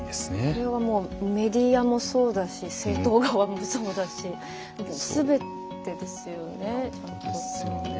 これはもうメディアもそうだし政党側もそうだしすべてですよね。ですよね。